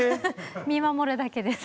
見守るだけです。